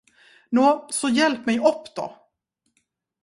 Nå, så hjälp mig opp då!